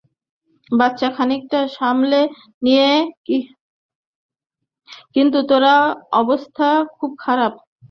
বাচ্চা খানিকটা সামলে নিয়েছে, কিন্তু তোর অবস্থা খুব খারাপ।